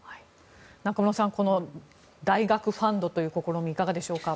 中室さんこの大学ファンドという試み、いかがでしょうか。